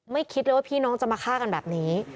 คิดเลยว่าพี่น้องจะมาฆ่ากันแบบนี้